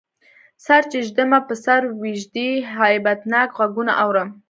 سر چی ږدمه په سر ویږدی، هیبتناک غږونه اورم